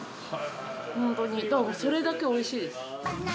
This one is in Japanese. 本当に、それだけおいしいです。